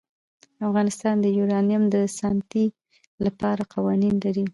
افغانستان د یورانیم د ساتنې لپاره قوانین لري.